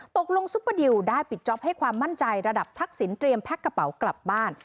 ซุปเปอร์ดิวได้ปิดจ๊อปให้ความมั่นใจระดับทักษิณเตรียมแพ็คกระเป๋ากลับบ้าน